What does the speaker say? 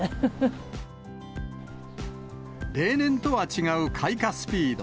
例年とは違う開花スピード。